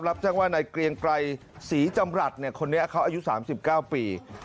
รับแจ้งว่านายเกรียงไกรศรีจำรัฐคนนี้เขาอายุ๓๙ปี